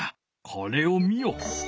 これを見よ。